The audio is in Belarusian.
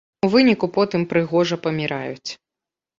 У выніку потым прыгожа паміраюць.